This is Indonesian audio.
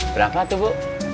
berapa tuh bu